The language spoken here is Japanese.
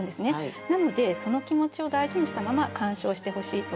なのでその気持ちを大事にしたまま鑑賞してほしいと思います。